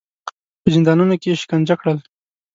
په زندانونو کې یې شکنجه کړل.